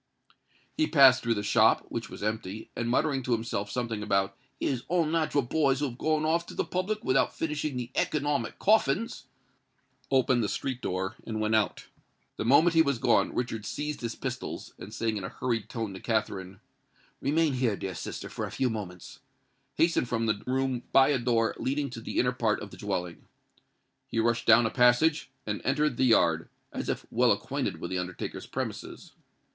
He passed through the shop, which was empty; and, muttering to himself something about "his unnat'ral boys who had gone off to the public without finishing the economic coffins," opened the street door and went out. The moment he was gone, Richard seized his pistols, and saying in a hurried tone to Katharine, "Remain here, dear sister, for a few moments," hastened from the room by a door leading to the inner part of the dwelling. He rushed down a passage, and entered the yard—as if well acquainted with the undertaker's premises.